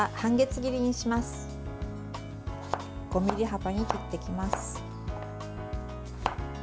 ５ｍｍ幅に切っていきます。